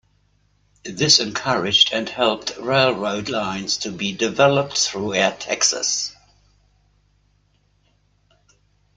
This encouraged and helped railroad lines to be developed throughout Texas.